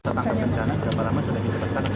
setangkan rencana dapat lama sudah ditebakkan